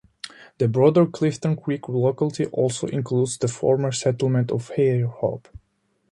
The broader Clifton Creek locality also includes the former settlement of Fairhope.